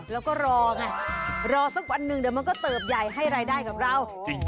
แล้วก็รอไงรอสักวันหนึ่งเดี๋ยวมันก็เติบใหญ่ให้รายได้กับเรา